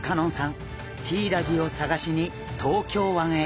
ヒイラギを探しに東京湾へ。